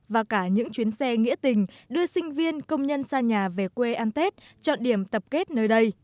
và cả những chuyến xe nghĩa tình đưa sinh viên công nhân xa nhà về quê ăn tết chọn điểm tập kết nơi đây